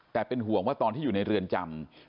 แต่เป็นห่วงว่าตอนที่อยู่ในเรือนจำ